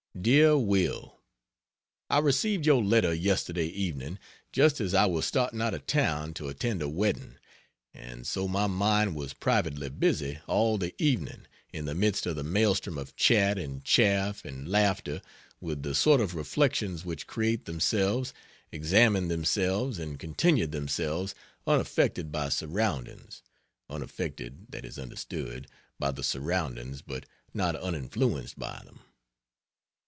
DEAR WILL, I received your letter yesterday evening, just as I was starting out of town to attend a wedding, and so my mind was privately busy, all the evening, in the midst of the maelstrom of chat and chaff and laughter, with the sort of reflections which create themselves, examine themselves, and continue themselves, unaffected by surroundings unaffected, that is understood, by the surroundings, but not uninfluenced by them.